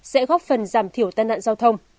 sẽ góp phần giảm thiểu tàn nạn giao thông